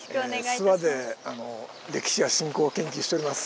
諏訪で歴史や信仰を研究しております